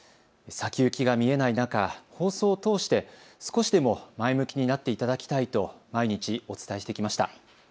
先行きが見えない中、放送を通して少しでも前向きになっていただきたいと毎日お伝えしてきました。